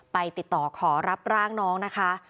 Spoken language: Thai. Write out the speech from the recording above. ติดต่อขอรับร่างน้องนะคะ